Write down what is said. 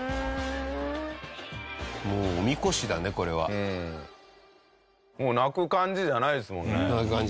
もうおみこしだねこれは。泣く感じじゃないね。